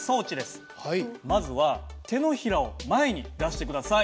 まずは手のひらを前に出して下さい。